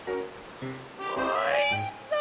おいしそう！